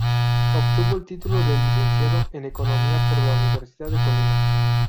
Obtuvo el título de Licenciado en Economía por la Universidad de Colima.